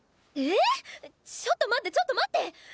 ええ⁉ちょっと待ってちょっと待って！